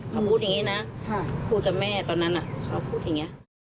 เขาพูดอย่างนี้นะพูดกับแม่ตอนนั้นเขาพูดอย่างนี้